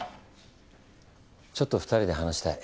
ちょっと２人で話したい。